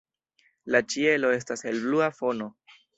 La ĉielo estas helblua fono.